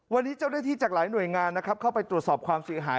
วันนี้เจ้าได้ที่จากหลายหน่วยงานเข้าไปตรวจสอบความสิงหาย